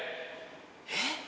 えっ？